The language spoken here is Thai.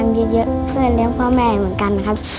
ผมได้ตังค์เยอะเพื่อเลี้ยงพ่อแม่เหมือนกันนะครับ